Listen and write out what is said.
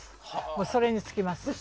それに尽きます。